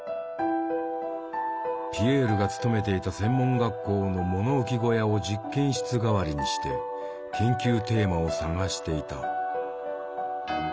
ピエールが勤めていた専門学校の物置小屋を実験室代わりにして研究テーマを探していた。